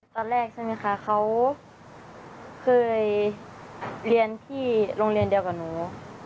ตอนแรกใช่ไหมคะเขาเคยเรียนที่โรงเรียนเดียวกับหนู